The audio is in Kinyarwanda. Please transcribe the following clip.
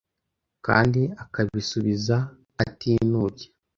kandi akabisubiza atinubye